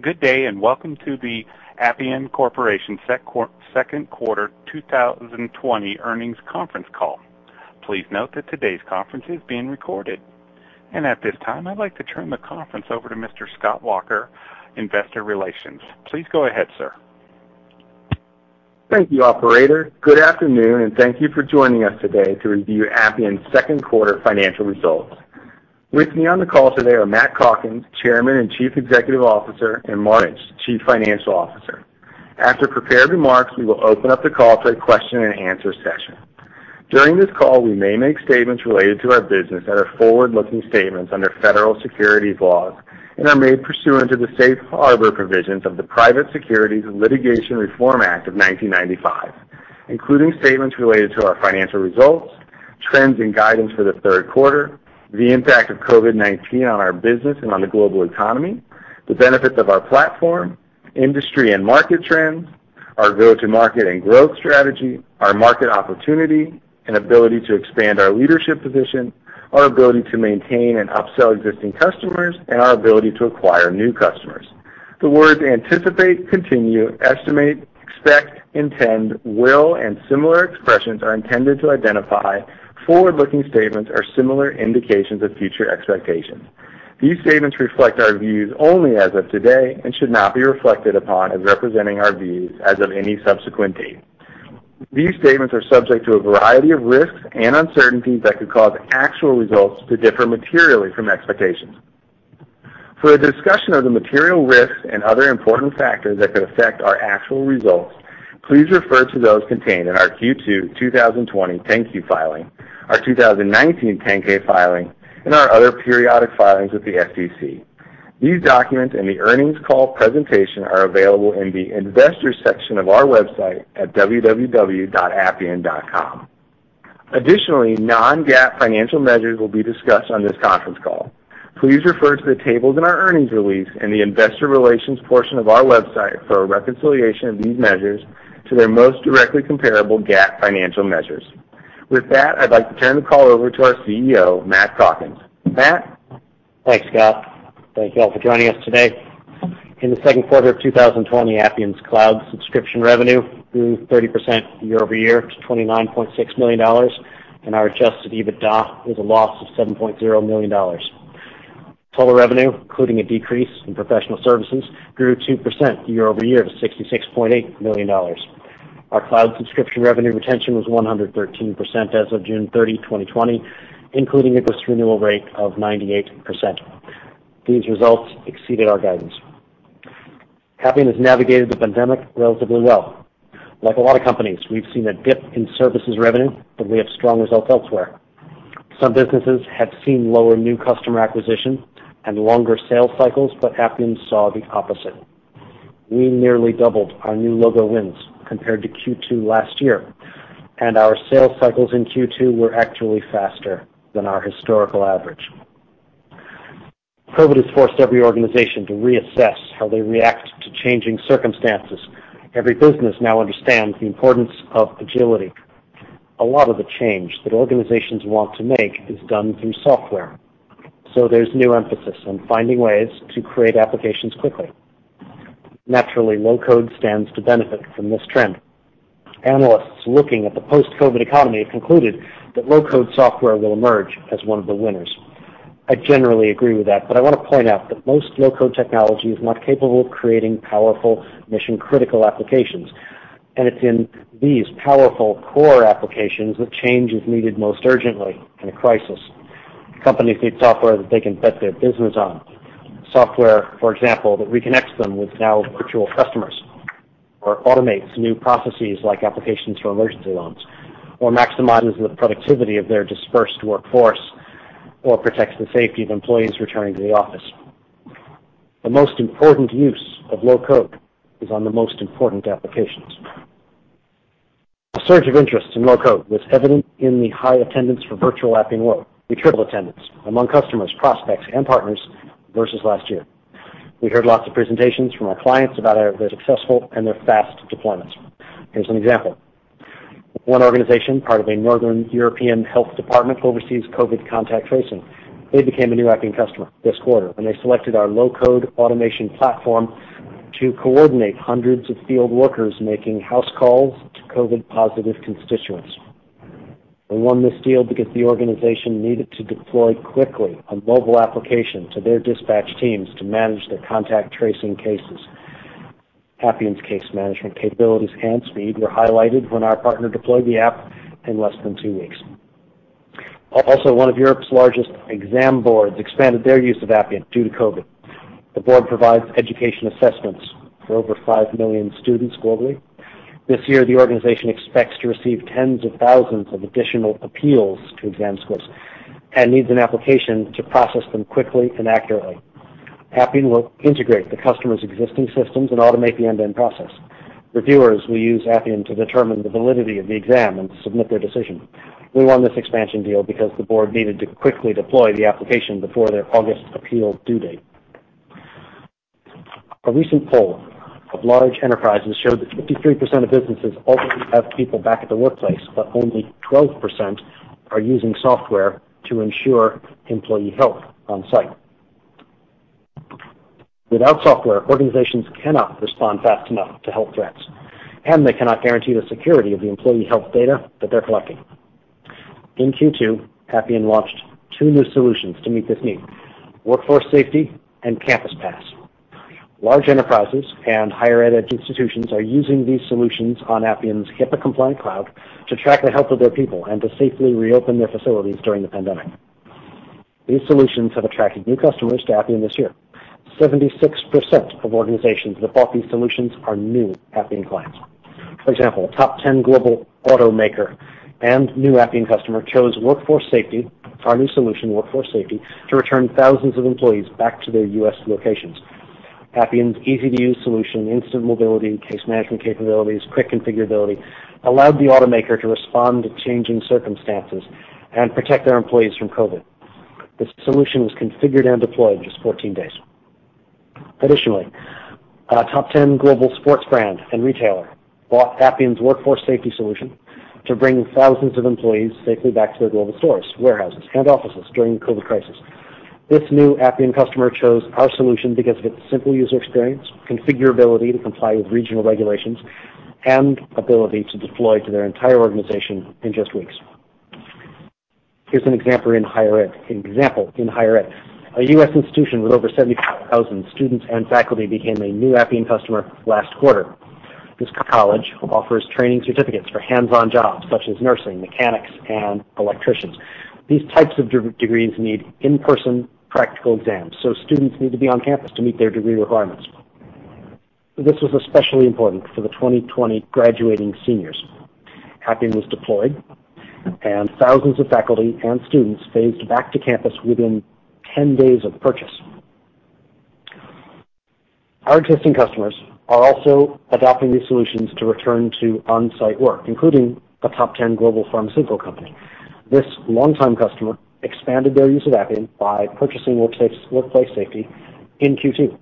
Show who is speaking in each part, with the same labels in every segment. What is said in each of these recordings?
Speaker 1: Good day, welcome to the Appian Corporation second quarter 2020 earnings conference call. Please note that today's conference is being recorded. At this time, I'd like to turn the conference over to Mr. Scott Walker, investor relations. Please go ahead, sir.
Speaker 2: Thank you, operator. Good afternoon, and thank you for joining us today to review Appian's second quarter financial results. With me on the call today are Matt Calkins, Chairman and Chief Executive Officer, and Mark Lynch, Chief Financial Officer. After prepared remarks, we will open up the call to a question-and-answer session. During this call, we may make statements related to our business that are forward-looking statements under federal securities laws and are made pursuant to the safe harbor provisions of the Private Securities Litigation Reform Act of 1995, including statements related to our financial results, trends and guidance for the third quarter, the impact of COVID-19 on our business and on the global economy, the benefits of our platform, industry and market trends, our go-to-market and growth strategy, our market opportunity and ability to expand our leadership position, our ability to maintain and upsell existing customers, and our ability to acquire new customers. The words anticipate, continue, estimate, expect, intend, will, and similar expressions are intended to identify forward-looking statements or similar indications of future expectations. These statements reflect our views only as of today and should not be reflected upon as representing our views as of any subsequent date. These statements are subject to a variety of risks and uncertainties that could cause actual results to differ materially from expectations. For a discussion of the material risks and other important factors that could affect our actual results, please refer to those contained in our Q2 2020 10-Q filing, our 2019 10-K filing, and our other periodic filings with the SEC. These documents and the earnings call presentation are available in the investors section of our website at www.appian.com. Additionally, non-GAAP financial measures will be discussed on this conference call. Please refer to the tables in our earnings release in the investor relations portion of our website for a reconciliation of these measures to their most directly comparable GAAP financial measures. With that, I'd like to turn the call over to our CEO, Matt Calkins. Matt?
Speaker 3: Thanks, Scott. Thank you all for joining us today. In the second quarter of 2020, Appian's cloud subscription revenue grew 30% year-over-year to $29.6 million, and our adjusted EBITDA was a loss of $7 million. Total revenue, including a decrease in professional services, grew 2% year-over-year to $66.8 million. Our cloud subscription revenue retention was 113% as of June 30, 2020, including a gross renewal rate of 98%. These results exceeded our guidance. Appian has navigated the pandemic relatively well. Like a lot of companies, we've seen a dip in services revenue, but we have strong results elsewhere. Some businesses have seen lower new customer acquisition and longer sales cycles, but Appian saw the opposite. We nearly doubled our new logo wins compared to Q2 last year, and our sales cycles in Q2 were actually faster than our historical average. COVID has forced every organization to reassess how they react to changing circumstances. Every business now understands the importance of agility. A lot of the change that organizations want to make is done through software, so there's new emphasis on finding ways to create applications quickly. Naturally, low-code stands to benefit from this trend. Analysts looking at the post-COVID economy have concluded that low-code software will emerge as one of the winners. I generally agree with that, but I want to point out that most low-code technology is not capable of creating powerful mission-critical applications, and it's in these powerful core applications that change is needed most urgently in a crisis. Companies need software that they can bet their business on. Software, for example, that reconnects them with now virtual customers or automates new processes like applications for emergency loans, or maximizes the productivity of their dispersed workforce, or protects the safety of employees returning to the office. The most important use of low-code is on the most important applications. A surge of interest in low-code was evident in the high attendance for virtual Appian World, with triple attendance among customers, prospects, and partners versus last year. We heard lots of presentations from our clients about their successful and their fast deployments. Here's an example. One organization, part of a Northern European health department, oversees COVID contact tracing. They became a new Appian customer this quarter, and they selected our low-code automation platform to coordinate hundreds of field workers making house calls to COVID-positive constituents. We won this deal because the organization needed to deploy quickly a mobile application to their dispatch teams to manage their contact tracing cases. Appian's case management capabilities and speed were highlighted when our partner deployed the app in less than two weeks. One of Europe's largest exam boards expanded their use of Appian due to COVID. The board provides education assessments for over five million students globally. This year, the organization expects to receive tens of thousands of additional appeals to exam scores and needs an application to process them quickly and accurately. Appian will integrate the customer's existing systems and automate the end-to-end process. Reviewers will use Appian to determine the validity of the exam and submit their decision. We won this expansion deal because the board needed to quickly deploy the application before their August appeal due date. A recent poll of large enterprises showed that 53% of businesses already have people back at the workplace, but only 12% are using software to ensure employee health on-site. Without software, organizations cannot respond fast enough to health threats, and they cannot guarantee the security of the employee health data that they're collecting. In Q2, Appian launched two new solutions to meet this need: Workforce Safety and CampusPass. Large enterprises and higher ed edge institutions are using these solutions on Appian's HIPAA-compliant cloud to track the health of their people and to safely reopen their facilities during the pandemic. These solutions have attracted new customers to Appian this year. 76% of organizations that bought these solutions are new Appian clients. For example, a top 10 global automaker and new Appian customer chose our new solution, Workforce Safety, to return thousands of employees back to their U.S. locations. Appian's easy-to-use solution, instant mobility, case management capabilities, quick configurability allowed the automaker to respond to changing circumstances and protect our employees from COVID. This solution was configured and deployed just 14 days. Additionally, a top 10 global sports brand and retailer bought Appian's Workforce Safety solution to bring thousands of employees safely back to their global stores, warehouses, and offices during COVID crisis. This new Appian customer chose our solution because of its simple user experience, configurability to comply with regional regulations, and ability to deploy to their entire organization in just weeks. Here's an example in higher ed. A U.S. institution with over 75,000 students and faculty became a new Appian customer last quarter. This college offers training certificates for hands-on jobs such as nursing, mechanics, and electricians. These types of degrees need in-person practical exams, so students need to be on campus to meet their degree requirements. This was especially important for the 2020 graduating seniors. Appian was deployed, and thousands of faculty and students phased back to campus within 10 days of purchase. Our existing customers are also adopting these solutions to return to on-site work, including a top 10 global pharmaceutical company. This long-time customer expanded their use of Appian by purchasing Workforce Safety in Q2.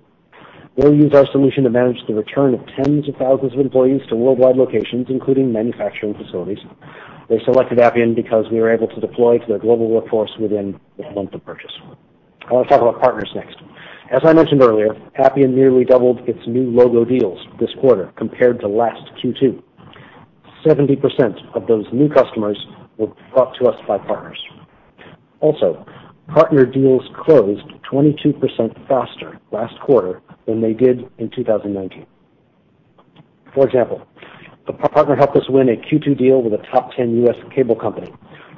Speaker 3: They'll use our solution to manage the return of tens of thousands of employees to worldwide locations, including manufacturing facilities. They selected Appian because we were able to deploy to their global workforce within a month of purchase. I want to talk about partners next. As I mentioned earlier, Appian nearly doubled its new logo deals this quarter compared to last Q2. 70% of those new customers were brought to us by partners. Partner deals closed 22% faster last quarter than they did in 2019. A partner helped us win a Q2 deal with a top 10 U.S. cable company.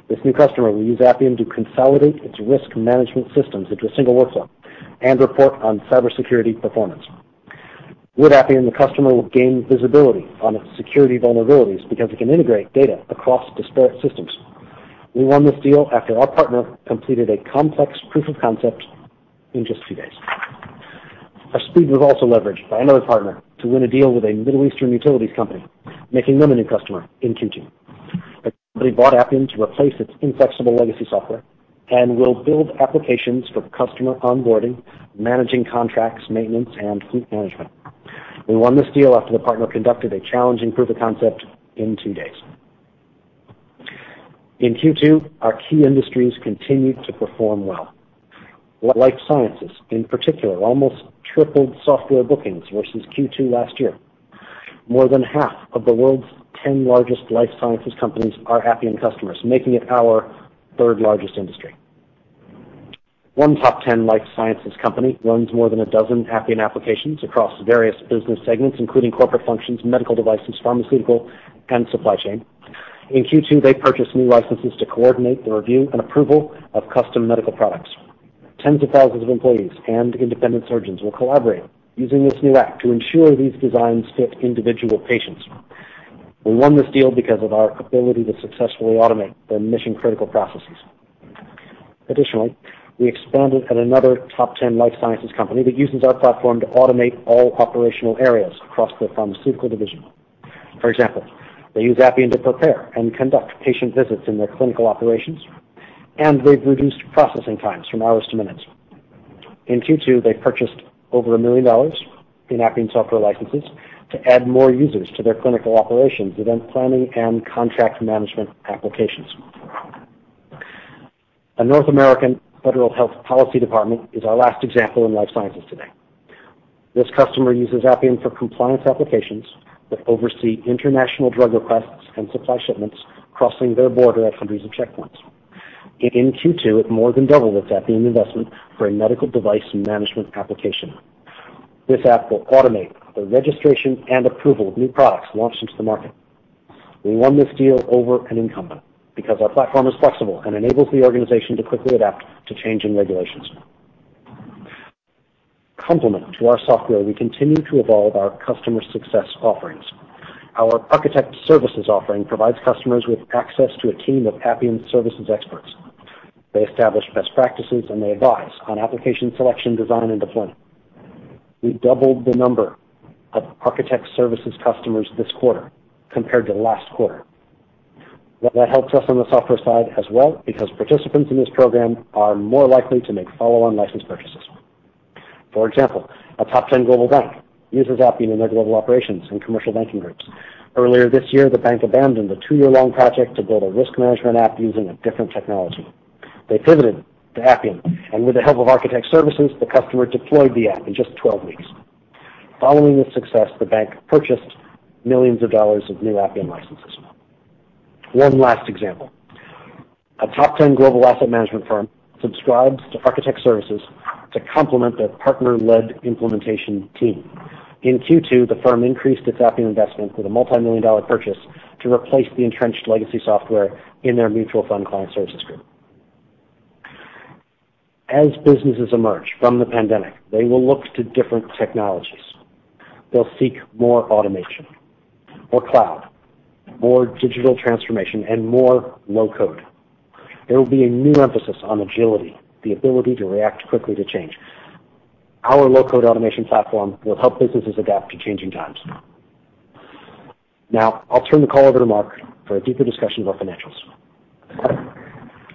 Speaker 3: This new customer will use Appian to consolidate its risk management systems into a single workflow and report on cybersecurity performance. With Appian, the customer will gain visibility on its security vulnerabilities because it can integrate data across disparate systems. We won this deal after our partner completed a complex proof of concept in just two days. Our speed was also leveraged by another partner to win a deal with a Middle Eastern utilities company, making them a new customer in Q2. They bought Appian to replace its inflexible legacy software and will build applications for customer onboarding, managing contracts, maintenance, and fleet management. We won this deal after the partner conducted a challenging proof of concept in two days. In Q2, our key industries continued to perform well. Life sciences, in particular, almost tripled software bookings versus Q2 last year. More than half of the world's 10 largest life sciences companies are Appian customers, making it our third-largest industry. One top 10 life sciences company runs more than a dozen Appian applications across various business segments, including corporate functions, medical devices, pharmaceutical, and supply chain. In Q2, they purchased new licenses to coordinate the review and approval of custom medical products. Tens of thousands of employees and independent surgeons will collaborate using this new app to ensure these designs fit individual patients. We won this deal because of our ability to successfully automate their mission-critical processes. Additionally, we expanded at another top 10 life sciences company that uses our platform to automate all operational areas across their pharmaceutical division. For example, they use Appian to prepare and conduct patient visits in their clinical operations, and they've reduced processing times from hours to minutes. In Q2, they purchased over $1 million in Appian software licenses to add more users to their clinical operations, event planning, and contract management applications. A North American federal health policy department is our last example in life sciences today. This customer uses Appian for compliance applications that oversee international drug requests and supply shipments crossing their border at hundreds of checkpoints. In Q2, it more than doubled its Appian investment for a medical device management application. This app will automate the registration and approval of new products launched into the market. We won this deal over an incumbent because our platform is flexible and enables the organization to quickly adapt to changing regulations. Complement to our software, we continue to evolve our customer success offerings. Our architect services offering provides customers with access to a team of Appian services experts. They establish best practices, and they advise on application selection, design, and deployment. We doubled the number of architect services customers this quarter compared to last quarter. That helps us on the software side as well, because participants in this program are more likely to make follow-on license purchases. For example, a top 10 global bank uses Appian in their global operations and commercial banking groups. Earlier this year, the bank abandoned a two-year-long project to build a risk management app using a different technology. They pivoted to Appian, and with the help of architect services, the customer deployed the app in just 12 weeks. Following the success, the bank purchased millions of dollars of new Appian licenses. One last example. A top 10 global asset management firm subscribes to architect services to complement their partner-led implementation team. In Q2, the firm increased its Appian investment with a multimillion-dollar purchase to replace the entrenched legacy software in their mutual fund client services group. As businesses emerge from the pandemic, they will look to different technologies. They'll seek more automation, more cloud, more digital transformation, and more low-code. There will be a new emphasis on agility, the ability to react quickly to change. Our low-code automation platform will help businesses adapt to changing times. Now, I'll turn the call over to Mark for a deeper discussion about financials.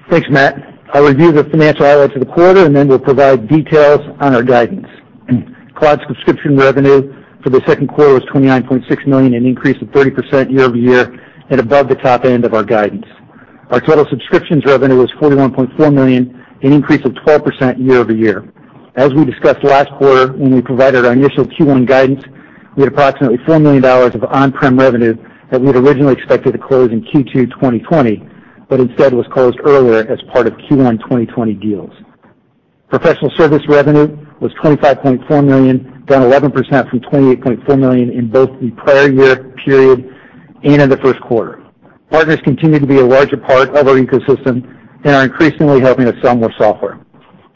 Speaker 4: Thanks, Matt. I'll review the financial highlights for the quarter, and then we'll provide details on our guidance. Cloud subscription revenue for the second quarter was $29.6 million, an increase of 30% year-over-year and above the top end of our guidance. Our total subscriptions revenue was $41.4 million, an increase of 12% year-over-year. As we discussed last quarter when we provided our initial Q1 guidance, we had approximately $4 million of on-prem revenue that we had originally expected to close in Q2 2020, but instead was closed earlier as part of Q1 2020 deals. Professional Service Revenue was $25.4 million, down 11% from $28.4 million in both the prior year period and in the first quarter. Partners continue to be a larger part of our ecosystem and are increasingly helping us sell more software.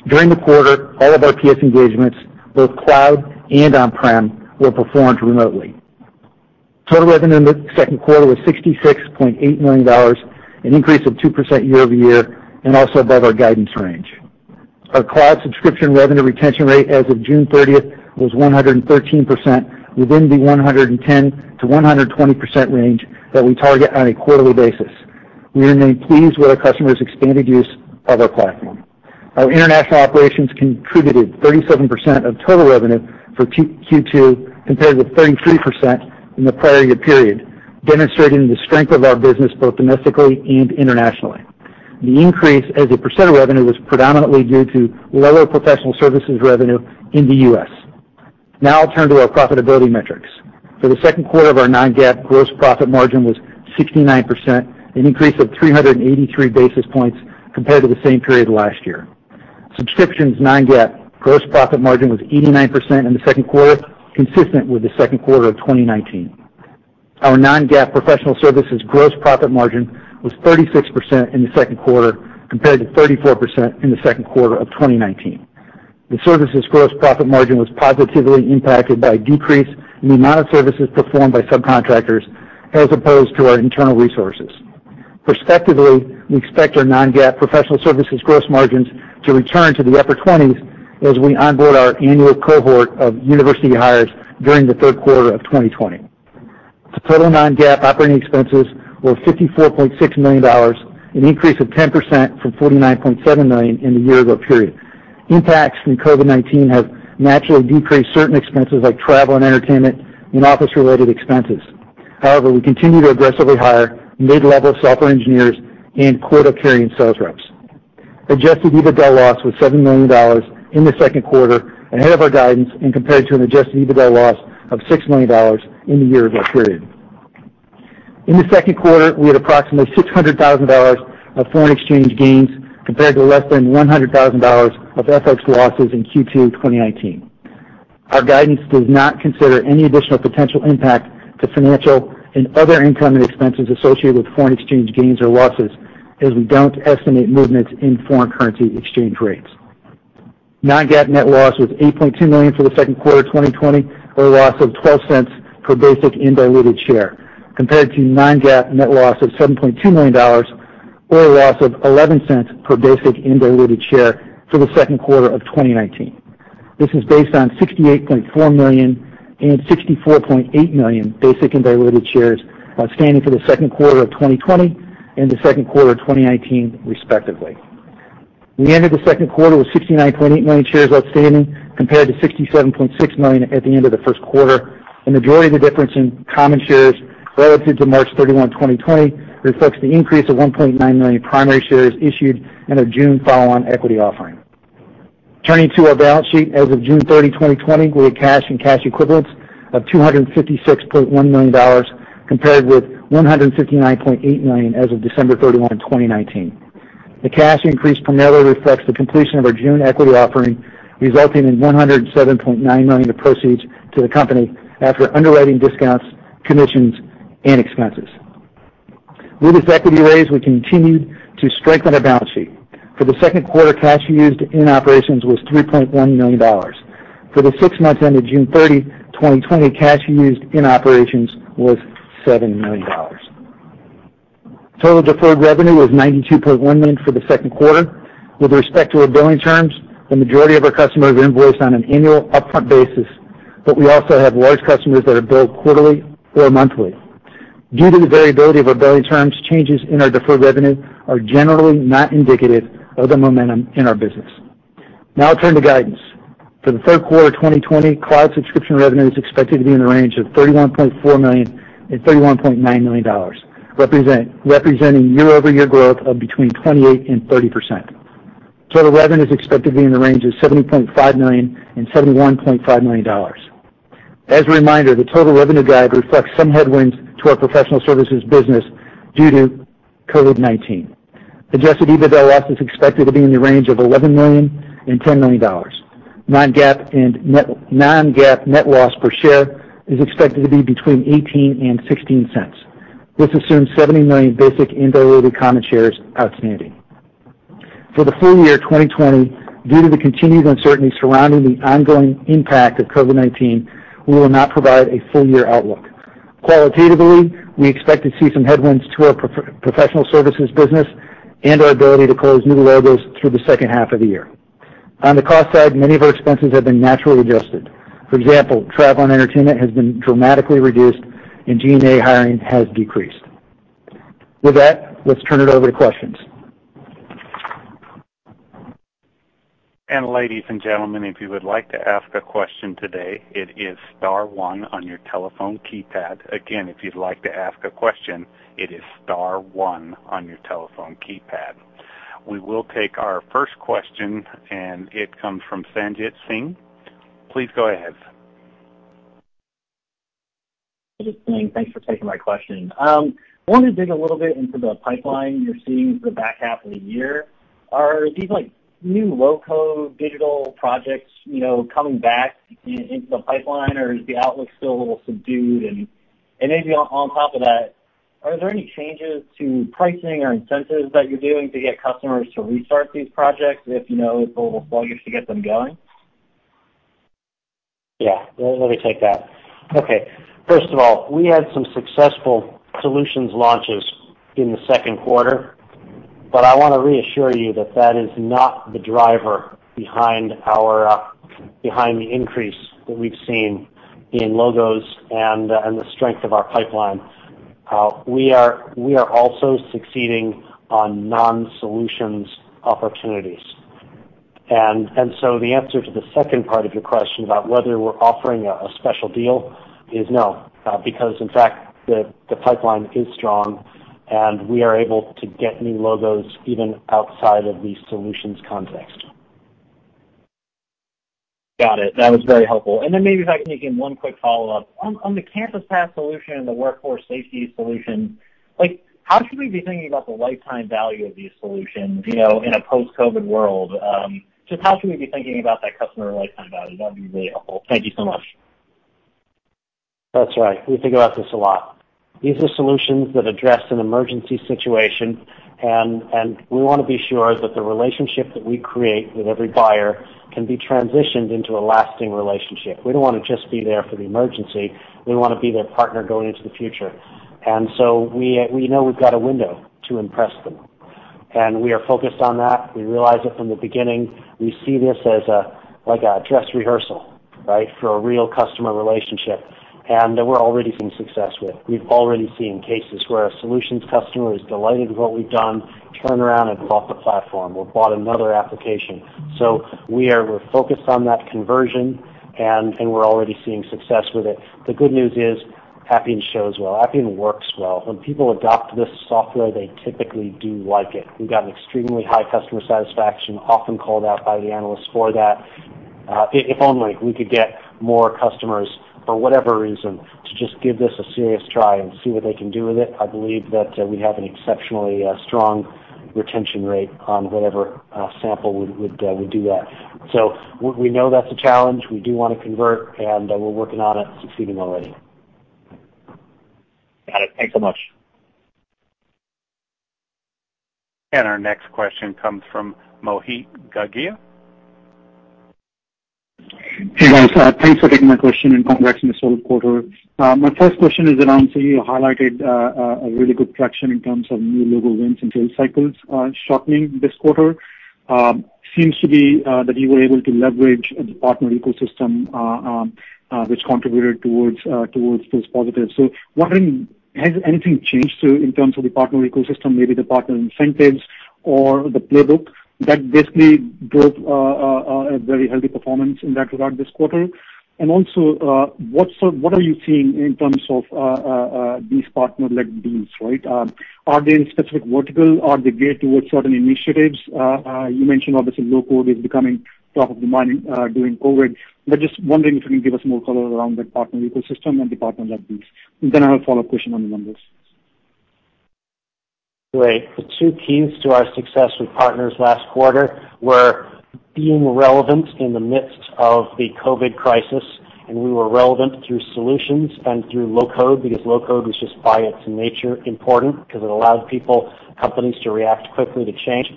Speaker 4: During the quarter, all of our PS engagements, both cloud and on-prem, were performed remotely. Total revenue in the second quarter was $66.8 million, an increase of 2% year-over-year and also above our guidance range. Our cloud subscription revenue retention rate as of June 30th was 113%, within the 110%-120% range that we target on a quarterly basis. We remain pleased with our customers' expanded use of our platform. Our international operations contributed 37% of total revenue for Q2, compared with 33% in the prior year period, demonstrating the strength of our business, both domestically and internationally. The increase as a % of revenue was predominantly due to lower professional services revenue in the U.S. Now I'll turn to our profitability metrics. For the second quarter of our non-GAAP gross profit margin was 69%, an increase of 383 basis points compared to the same period last year. Subscriptions non-GAAP gross profit margin was 89% in the second quarter, consistent with the second quarter of 2019. Our non-GAAP professional services gross profit margin was 36% in the second quarter, compared to 34% in the second quarter of 2019. The services gross profit margin was positively impacted by a decrease in the amount of services performed by subcontractors as opposed to our internal resources. Prospectively, we expect our non-GAAP professional services gross margins to return to the upper 20s as we onboard our annual cohort of university hires during the third quarter of 2020. The total non-GAAP operating expenses were $54.6 million, an increase of 10% from $49.7 million in the year-over-year period. Impacts from COVID-19 have naturally decreased certain expenses like travel and entertainment and office-related expenses. However, we continue to aggressively hire mid-level software engineers and quota-carrying sales reps. Adjusted EBITDA loss was $7 million in the second quarter, ahead of our guidance and compared to an adjusted EBITDA loss of $6 million in the year-over-year period. In the second quarter, we had approximately $600,000 of foreign exchange gains compared to less than $100,000 of FX losses in Q2 2019. Our guidance does not consider any additional potential impact to financial and other income and expenses associated with foreign exchange gains or losses, as we don't estimate movements in foreign currency exchange rates. Non-GAAP net loss was $8.2 million for the second quarter 2020, or a loss of $0.12 per basic and diluted share, compared to non-GAAP net loss of $7.2 million or a loss of $0.11 per basic and diluted share for the second quarter of 2019. This is based on 68.4 million and 64.8 million basic and diluted shares outstanding for the second quarter of 2020 and the second quarter of 2019, respectively. We ended the second quarter with 69.8 million shares outstanding, compared to 67.6 million at the end of the first quarter. A majority of the difference in common shares relative to March 31, 2020, reflects the increase of 1.9 million primary shares issued in a June follow-on equity offering. Turning to our balance sheet, as of June 30, 2020, we had cash and cash equivalents of $256.1 million, compared with $159.8 million as of December 31, 2019. The cash increase primarily reflects the completion of our June equity offering, resulting in $107.9 million of proceeds to the company after underwriting discounts, commissions, and expenses. With this equity raise, we continued to strengthen our balance sheet. For the second quarter, cash used in operations was $3.1 million. For the six months ended June 30, 2020, cash used in operations was $7 million. Total deferred revenue was $92.1 million for the second quarter. With respect to our billing terms, the majority of our customers are invoiced on an annual upfront basis. We also have large customers that are billed quarterly or monthly. Due to the variability of our billing terms, changes in our deferred revenue are generally not indicative of the momentum in our business. Now I'll turn to guidance. For the third quarter 2020, cloud subscription revenue is expected to be in the range of $31.4 million and $31.9 million, representing year-over-year growth of between 28% and 30%. Total revenue is expected to be in the range of $70.5 million and $71.5 million. As a reminder, the total revenue guide reflects some headwinds to our professional services business due to COVID-19. Adjusted EBITDA loss is expected to be in the range of $11 million and $10 million. Non-GAAP net loss per share is expected to be between $0.18 and $0.16. This assumes 70 million basic and diluted common shares outstanding. For the full year 2020, due to the continued uncertainty surrounding the ongoing impact of COVID-19, we will not provide a full-year outlook. Qualitatively, we expect to see some headwinds to our professional services business and our ability to close new logos through the second half of the year. On the cost side, many of our expenses have been naturally adjusted. For example, travel and entertainment has been dramatically reduced, and G&A hiring has decreased. With that, let's turn it over to questions.
Speaker 1: Ladies and gentlemen, if you would like to ask a question today, it is star one on your telephone keypad. Again, if you'd like to ask a question, it is star one on your telephone keypad. We will take our first question, and it comes from Sanjit Singh. Please go ahead.
Speaker 5: Sanjit Singh. Thanks for taking my question. I want to dig a little bit into the pipeline you're seeing for the back half of the year. Are these new low-code digital projects coming back into the pipeline, or is the outlook still a little subdued? Maybe on top of that, are there any changes to pricing or incentives that you're doing to get customers to restart these projects, if a little plug is to get them going?
Speaker 3: Yeah. Let me take that. Okay. First of all, we had some successful solutions launches in the second quarter, but I want to reassure you that that is not the driver behind the increase that we've seen in logos and the strength of our pipeline. We are also succeeding on non-solutions opportunities. The answer to the second part of your question about whether we're offering a special deal is no, because in fact, the pipeline is strong, and we are able to get new logos even outside of the solutions context.
Speaker 5: Got it. That was very helpful. Then maybe if I can take one quick follow-up. On the CampusPass solution and the Workforce Safety solution, how should we be thinking about the lifetime value of these solutions in a post-COVID world? Just how should we be thinking about that customer lifetime value? That'd be really helpful. Thank you so much.
Speaker 3: That's right. We think about this a lot. These are solutions that address an emergency situation, and we want to be sure that the relationship that we create with every buyer can be transitioned into a lasting relationship. We don't want to just be there for the emergency. We want to be their partner going into the future. We know we've got a window to impress them, and we are focused on that. We realize it from the beginning. We see this as like a dress rehearsal for a real customer relationship, and that we're already seeing success with. We've already seen cases where a solutions customer is delighted with what we've done, turn around and bought the platform or bought another application. We're focused on that conversion, and we're already seeing success with it. The good news is Appian shows well. Appian works well. When people adopt this software, they typically do like it. We've got an extremely high customer satisfaction, often called out by the analysts for that. If only we could get more customers, for whatever reason, to just give this a serious try and see what they can do with it. I believe that we have an exceptionally strong retention rate on whatever sample would do that. We know that's a challenge. We do want to convert, and we're working on it, succeeding already.
Speaker 5: Got it. Thanks so much.
Speaker 1: Our next question comes from Mohit Gogia.
Speaker 6: Hey, guys. Thanks for taking my question and congrats on the solid quarter. My first question is around, you highlighted a really good traction in terms of new logo wins and sales cycles shortening this quarter. Seems to be that you were able to leverage the partner ecosystem, which contributed towards those positives. Wondering, has anything changed, too, in terms of the partner ecosystem, maybe the partner incentives or the playbook that basically drove a very healthy performance in that regard this quarter? Also, what are you seeing in terms of these partner-led deals? Are they in specific vertical? Are they geared towards certain initiatives? You mentioned, obviously, low-code is becoming top of demand during COVID. Just wondering if you can give us more color around that partner ecosystem and the partner-led deals. I have a follow-up question on the numbers.
Speaker 3: Great. The two keys to our success with partners last quarter were being relevant in the midst of the COVID crisis. We were relevant through solutions and through low-code, because low-code was just by its nature important because it allowed people, companies to react quickly to change.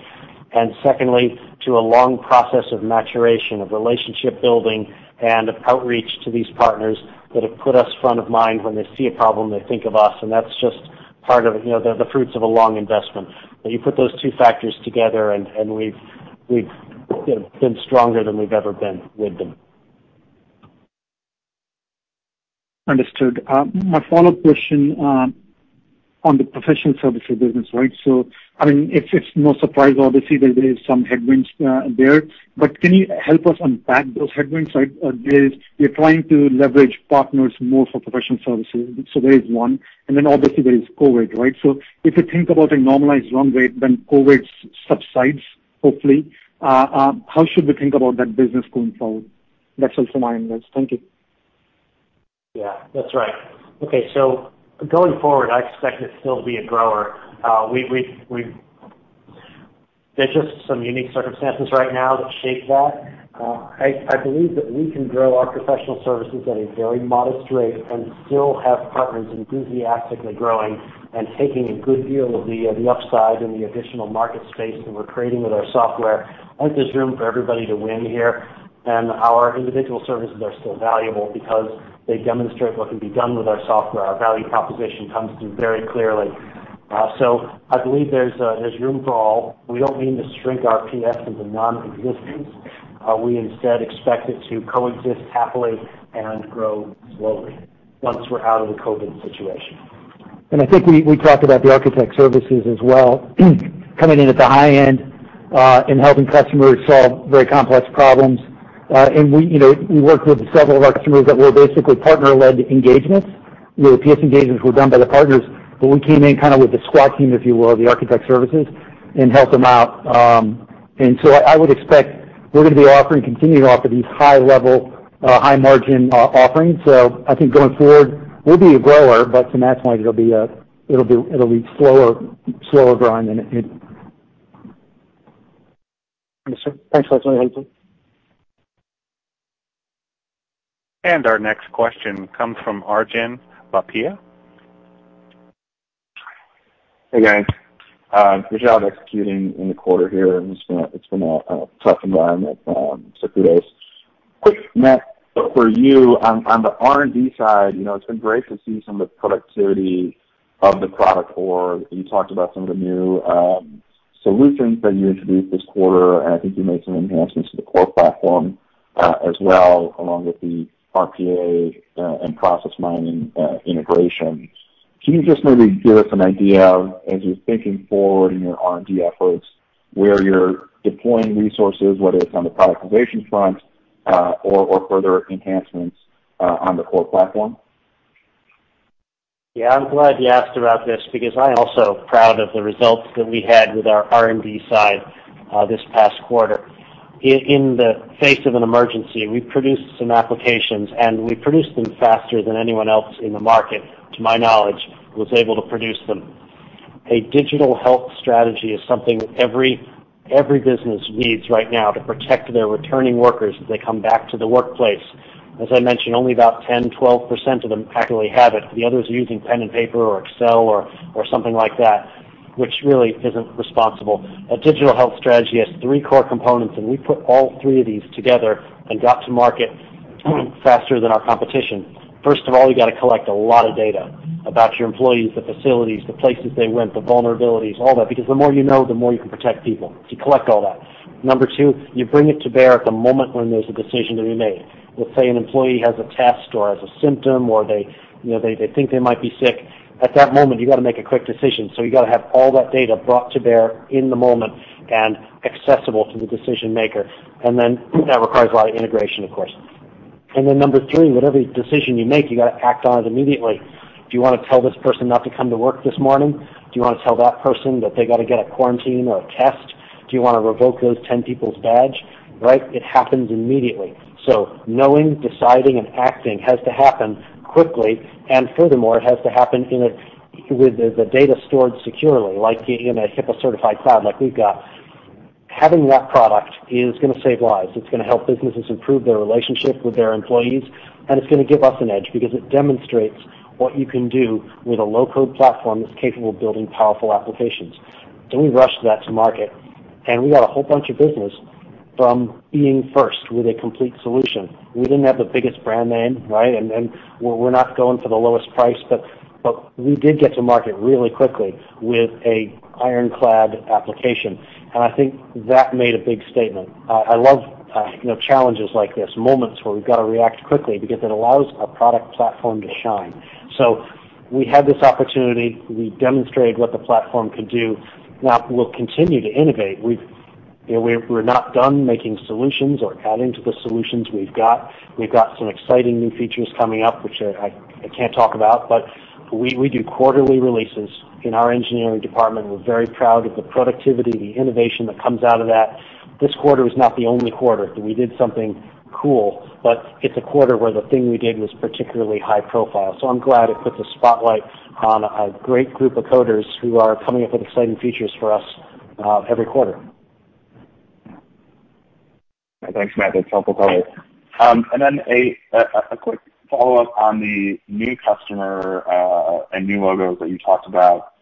Speaker 3: Secondly, to a long process of maturation, of relationship building and of outreach to these partners that have put us front of mind. When they see a problem, they think of us, and that's just part of the fruits of a long investment. You put those two factors together, and we've- We've been stronger than we've ever been with them.
Speaker 6: Understood. My follow-up question on the professional services business. It's no surprise, obviously, that there is some headwinds there, but can you help us unpack those headwinds? You're trying to leverage partners more for professional services, so there is one, and then obviously there is COVID-19, right? If you think about a normalized run rate, then COVID-19 subsides, hopefully. How should we think about that business going forward? That's also my angle. Thank you.
Speaker 3: Yeah. That's right. Okay, going forward, I expect it still to be a grower. There are just some unique circumstances right now that shape that. I believe that we can grow our professional services at a very modest rate and still have partners enthusiastically growing and taking a good deal of the upside and the additional market space that we're creating with our software. I think there's room for everybody to win here, our individual services are still valuable because they demonstrate what can be done with our software. Our value proposition comes through very clearly. I believe there's room for all. We don't mean to shrink our PS into non-existence. We instead expect it to coexist happily and grow slowly once we're out of the COVID situation.
Speaker 4: I think we talked about the architect services as well, coming in at the high end, and helping customers solve very complex problems. We work with several of our customers that were basically partner-led engagements, where PS engagements were done by the partners, but we came in kind of with the squad team, if you will, the architect services, and helped them out. I would expect we're going to be offering, continuing to offer these high-level, high-margin offerings. I think going forward, we'll be a grower, but to Matt's point, it'll be slower growing than it-
Speaker 6: Yes, sir. Thanks for that.
Speaker 1: Our next question comes from Arjun Bhatia.
Speaker 7: Hey, guys. Good job executing in the quarter here. It's been a tough environment for two days. Quick, Matt, for you on the R&D side, it's been great to see some of the productivity of the product core. You talked about some of the new solutions that you introduced this quarter, and I think you made some enhancements to the core platform, as well, along with the RPA and process mining integration. Can you just maybe give us an idea of, as you're thinking forward in your R&D efforts, where you're deploying resources, whether it's on the productization front or further enhancements on the core platform?
Speaker 3: Yeah. I'm glad you asked about this because I'm also proud of the results that we had with our R&D side this past quarter. In the face of an emergency, we produced some applications, and we produced them faster than anyone else in the market, to my knowledge, was able to produce them. A digital health strategy is something every business needs right now to protect their returning workers as they come back to the workplace. As I mentioned, only about 10%, 12% of them actually have it. The others are using pen and paper or Excel or something like that, which really isn't responsible. A digital health strategy has three core components, and we put all three of these together and got to market faster than our competition. First of all, you got to collect a lot of data about your employees, the facilities, the places they went, the vulnerabilities, all that, because the more you know, the more you can protect people. You collect all that. Number two, you bring it to bear at the moment when there's a decision to be made. Let's say an employee has a test or has a symptom or they think they might be sick. At that moment, you got to make a quick decision. You got to have all that data brought to bear in the moment and accessible to the decision-maker. That requires a lot of integration, of course. Number three, whatever decision you make, you got to act on it immediately. Do you want to tell this person not to come to work this morning? Do you want to tell that person that they got to get a quarantine or a test? Do you want to revoke those 10 people's badge, right? It happens immediately. Knowing, deciding, and acting has to happen quickly. Furthermore, it has to happen with the data stored securely, like in a HIPAA-certified cloud like we've got. Having that product is going to save lives. It's going to help businesses improve their relationship with their employees, and it's going to give us an edge because it demonstrates what you can do with a low-code platform that's capable of building powerful applications. We rushed that to market, and we got a whole bunch of business from being first with a complete solution. We didn't have the biggest brand name, right? We're not going for the lowest price, but we did get to market really quickly with a ironclad application, and I think that made a big statement. I love challenges like this, moments where we've got to react quickly because it allows our product platform to shine. We had this opportunity. We demonstrated what the platform could do. Now we'll continue to innovate. We're not done making solutions or adding to the solutions we've got. We've got some exciting new features coming up, which I can't talk about, but we do quarterly releases in our engineering department. We're very proud of the productivity, the innovation that comes out of that. This quarter was not the only quarter that we did something cool, but it's a quarter where the thing we did was particularly high profile. I'm glad it puts a spotlight on a great group of coders who are coming up with exciting features for us every quarter.
Speaker 7: Thanks, Matt. That's helpful. A quick follow-up on the new customer and new logos that you talked about.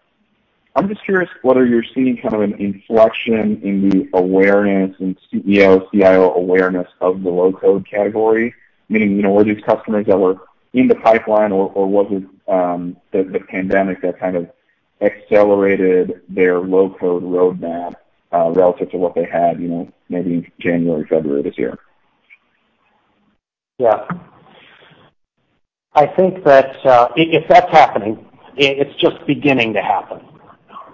Speaker 7: I'm just curious whether you're seeing kind of an inflection in the awareness and CEO, CIO awareness of the low-code category, meaning, were these customers that were in the pipeline, or was it the pandemic that kind of. accelerated their low-code roadmap, relative to what they had maybe in January or February this year?
Speaker 3: Yeah. I think that, if that's happening, it's just beginning to happen.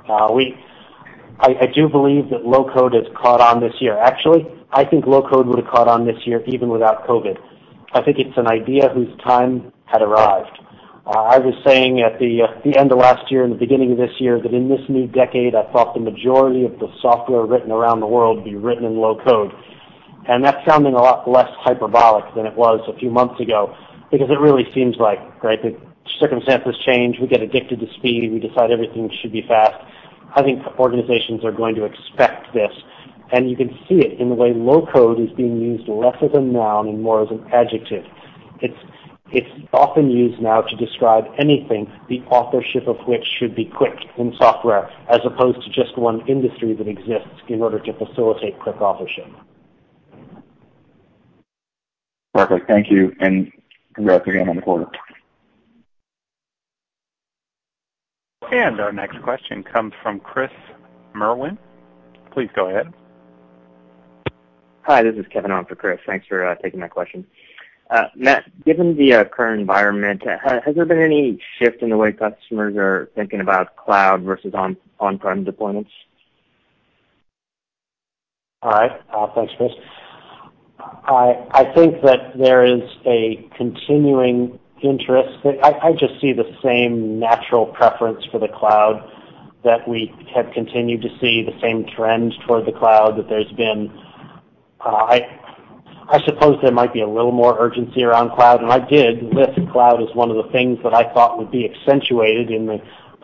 Speaker 3: I do believe that low-code has caught on this year. Actually, I think low-code would've caught on this year even without COVID-19. I think it's an idea whose time had arrived. I was saying at the end of last year and the beginning of this year, that in this new decade, I thought the majority of the software written around the world would be written in low-code. That's sounding a lot less hyperbolic than it was a few months ago, because it really seems like the circumstances change, we get addicted to speed, we decide everything should be fast. I think organizations are going to expect this, and you can see it in the way low-code is being used less as a noun and more as an adjective. It's often used now to describe anything, the authorship of which should be quick in software, as opposed to just one industry that exists in order to facilitate quick authorship.
Speaker 7: Perfect. Thank you, and congrats again on the quarter.
Speaker 1: Our next question comes from Chris Merwin. Please go ahead.
Speaker 8: Hi, this is Kevin on for Chris. Thanks for taking my question. Matt, given the current environment, has there been any shift in the way customers are thinking about cloud versus on-prem deployments?
Speaker 3: All right. Thanks, Chris. I think that there is a continuing interest. I just see the same natural preference for the cloud that we have continued to see, the same trends toward the cloud that there's been. I suppose there might be a little more urgency around cloud, and I did list cloud as one of the things that I thought would be accentuated in the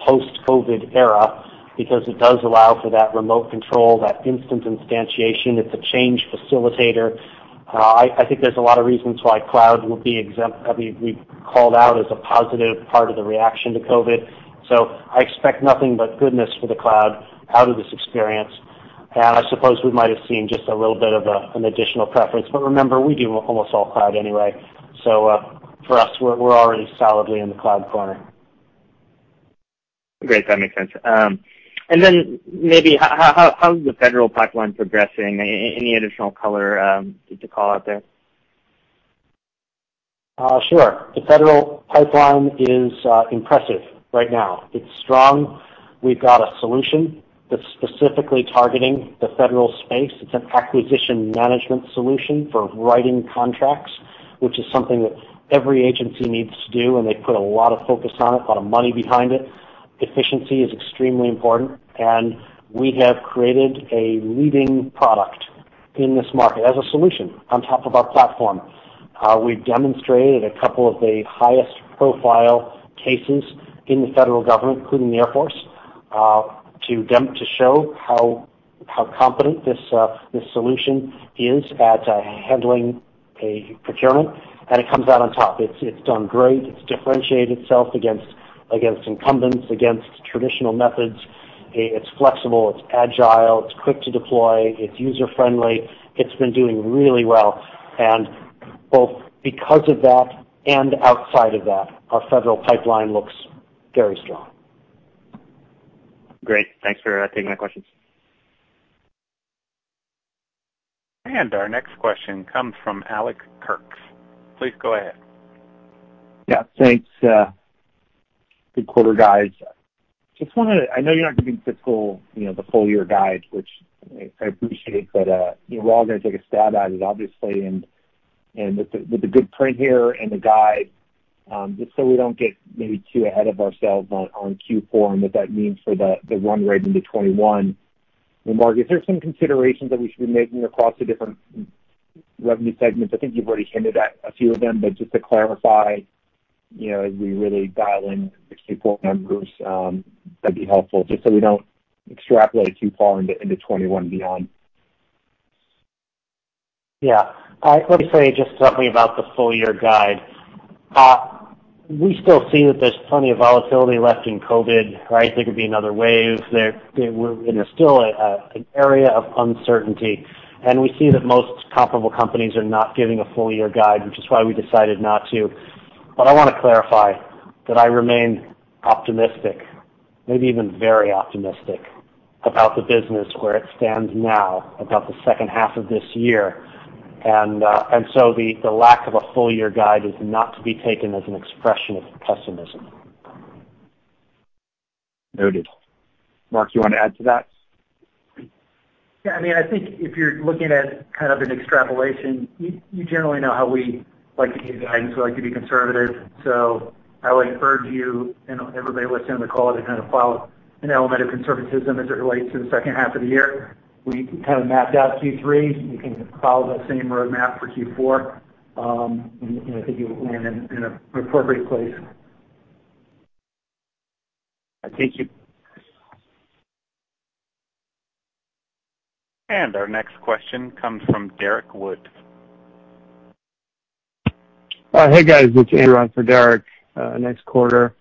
Speaker 3: post-COVID-19 era, because it does allow for that remote control, that instant instantiation. It's a change facilitator. I think there's a lot of reasons why cloud will be called out as a positive part of the reaction to COVID-19. I expect nothing but goodness for the cloud out of this experience. I suppose we might've seen just a little bit of an additional preference, but remember, we do almost all cloud anyway. For us, we're already solidly in the cloud corner.
Speaker 8: Great. That makes sense. Then maybe, how is the federal pipeline progressing? Any additional color to call out there?
Speaker 3: Sure. The federal pipeline is impressive right now. It's strong. We've got a solution that's specifically targeting the federal space. It's an acquisition management solution for writing contracts, which is something that every agency needs to do, and they put a lot of focus on it, a lot of money behind it. Efficiency is extremely important, and we have created a leading product in this market as a solution on top of our platform. We've demonstrated a couple of the highest profile cases in the federal government, including the Air Force, to show how competent this solution is at handling a procurement, and it comes out on top. It's done great. It's differentiated itself against incumbents, against traditional methods. It's flexible, it's agile, it's quick to deploy, it's user-friendly. It's been doing really well, and both because of that and outside of that, our federal pipeline looks very strong.
Speaker 8: Great. Thanks for taking my questions.
Speaker 1: Our next question comes from Alex Kurtz. Please go ahead.
Speaker 9: Yeah. Thanks. Good quarter, guys. I know you're not giving typical the full year guide, which I appreciate, but we're all going to take a stab at it, obviously. With the good print here and the guide, just so we don't get maybe too ahead of ourselves on Q4 and what that means for the run rate into 2021, Mark, is there some considerations that we should be making across the different revenue segments? I think you've already hinted at a few of them, but just to clarify, as we really dial in the Q4 numbers, that'd be helpful, just so we don't extrapolate too far into 2021 and beyond.
Speaker 3: Yeah. Let me say just something about the full year guide. We still see that there's plenty of volatility left in COVID, right? There could be another wave. There's still an area of uncertainty, and we see that most comparable companies are not giving a full year guide, which is why we decided not to. I want to clarify that I remain optimistic, maybe even very optimistic, about the business where it stands now, about the second half of this year. The lack of a full year guide is not to be taken as an expression of pessimism.
Speaker 9: Noted. Mark, you want to add to that?
Speaker 4: Yeah, I think if you're looking at kind of an extrapolation, you generally know how we like to give guidance. We like to be conservative. I would urge you and everybody listening on the call to kind of follow an element of conservatism as it relates to the second half of the year. We kind of mapped out Q3. You can follow that same roadmap for Q4, and I think you'll land in an appropriate place.
Speaker 9: I think.
Speaker 1: Our next question comes from Derrick Wood.
Speaker 10: Hey, guys. It's Andrew on for Derrick. Nice quarter.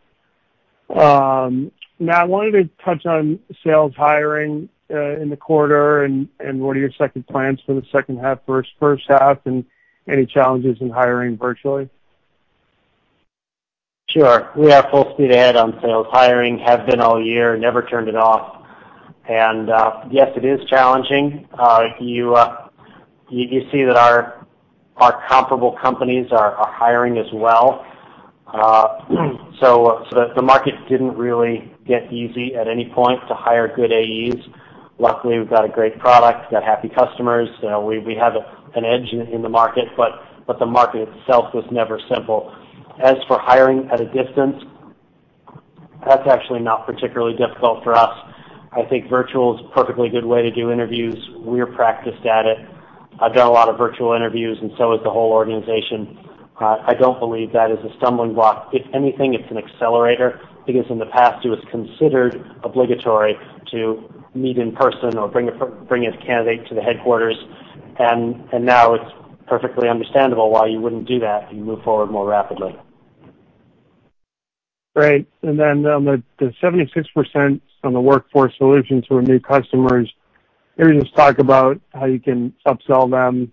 Speaker 10: Matt, I wanted to touch on sales hiring in the quarter. What are your second plans for the second half versus first half, and any challenges in hiring virtually?
Speaker 3: Sure. We are full speed ahead on sales hiring, have been all year, never turned it off. Yes, it is challenging. You see that our comparable companies are hiring as well. The market didn't really get easy at any point to hire good AEs. Luckily, we've got a great product, got happy customers. We have an edge in the market, but the market itself was never simple. As for hiring at a distance, that's actually not particularly difficult for us. I think virtual is a perfectly good way to do interviews. We're practiced at it. I've done a lot of virtual interviews, and so has the whole organization. I don't believe that is a stumbling block. If anything, it's an accelerator, because in the past, it was considered obligatory to meet in person or bring a candidate to the headquarters. Now it's perfectly understandable why you wouldn't do that, and you move forward more rapidly.
Speaker 10: Great. Then on the 76% on the Workforce Safety who are new customers, can you just talk about how you can upsell them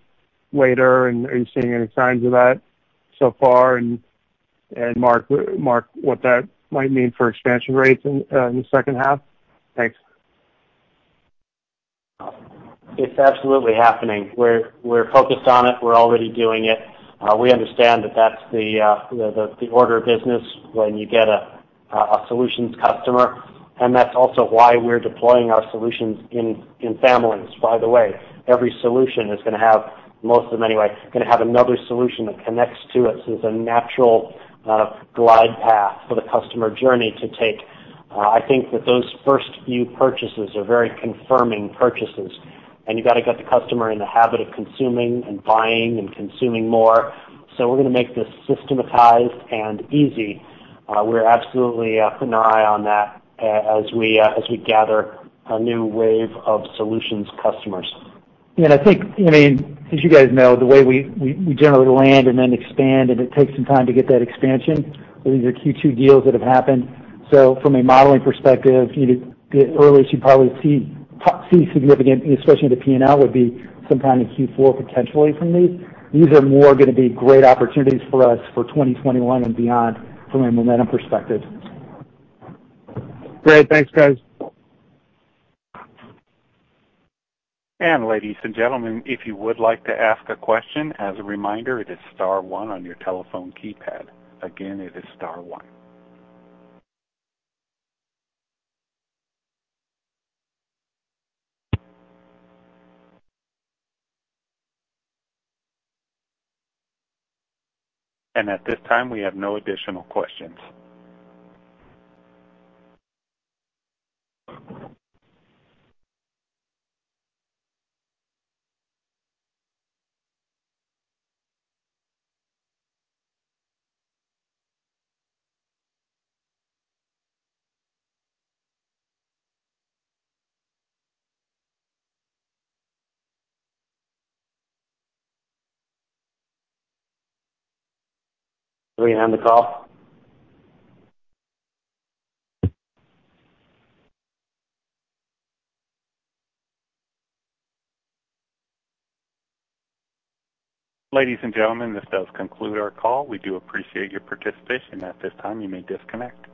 Speaker 10: later? Are you seeing any signs of that so far? Mark, what that might mean for expansion rates in the second half? Thanks.
Speaker 3: It's absolutely happening. We're focused on it. We're already doing it. We understand that that's the order of business when you get a solutions customer. That's also why we're deploying our solutions in families, by the way. Every solution is going to have, most of them anyway, going to have another solution that connects to it, so it's a natural glide path for the customer journey to take. I think that those first few purchases are very confirming purchases, and you got to get the customer in the habit of consuming and buying and consuming more. We're going to make this systematized and easy. We're absolutely keeping an eye on that as we gather a new wave of solutions customers.
Speaker 4: I think, as you guys know, the way we generally land and then expand, and it takes some time to get that expansion. These are Q2 deals that have happened. From a modeling perspective, the earliest you'd probably see significant, especially the P&L, would be some time in Q4 potentially from me. These are more going to be great opportunities for us for 2021 and beyond from a momentum perspective.
Speaker 10: Great. Thanks, guys.
Speaker 1: Ladies and gentlemen, if you would like to ask a question, as a reminder, it is star one on your telephone keypad. Again, it is star one. At this time, we have no additional questions.
Speaker 3: We can end the call.
Speaker 1: Ladies and gentlemen, this does conclude our call. We do appreciate your participation. At this time, you may disconnect.